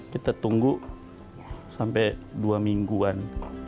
kita tunggu sampai dua mingguan